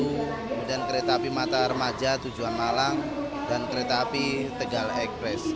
kemudian kereta api mata remaja tujuan malang dan kereta api tegal eqres